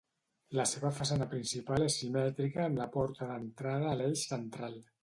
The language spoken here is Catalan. La seva façana principal és simètrica amb la porta d'entrada a l'eix central.